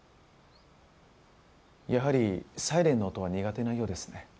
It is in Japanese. やはりサイレンの音は苦手なようですね。